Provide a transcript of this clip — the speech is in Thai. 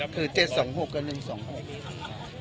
คือ๗๒๖กับ๑๒๖